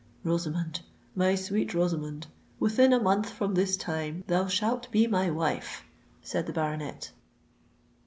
"Rosamond—my sweet Rosamond, within a month from this time thou shalt be my wife!" said the baronet.